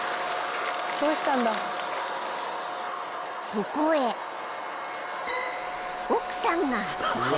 ［そこへ奥さんが］